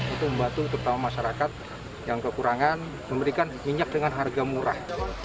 untuk membantu terutama masyarakat yang kekurangan memberikan minyak dengan harga murah